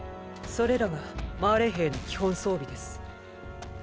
それらがマーレ兵の基本装備です。